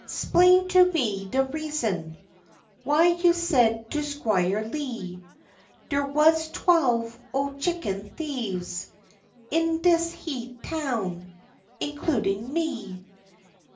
'Splain to me de reason Why you said to Squire Lee, Der wuz twelve ole chicken thieves In dis heah town, includin' me.